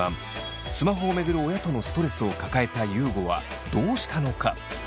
スマホを巡る親とのストレスを抱えた優吾はどうしたのか？